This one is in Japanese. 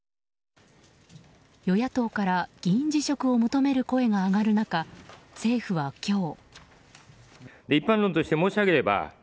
与野党から議員辞職を求める声が上がる中政府は今日。